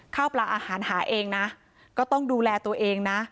ข้าวปลาอาหารหาเองนะก็ต้องดูแลตัวเองนะ